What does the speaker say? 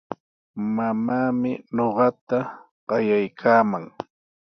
Mamaami ñuqata qayaykaaman.